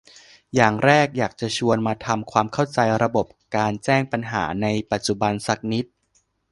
อย่างแรกอยากจะชวนมาทำความเข้าใจระบบการแจ้งปัญหาในปัจจุบันสักนิด